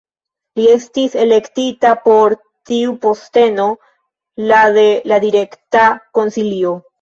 Li estis elektita por tiu posteno la de la Direkta Konsilio.